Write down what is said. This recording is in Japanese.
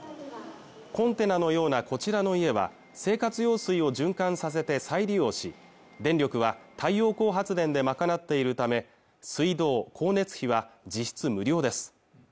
コンテナのようなこちらの家は生活用水を循環させて再利用し電力は太陽光発電で賄っているため水道光熱費は実質無料です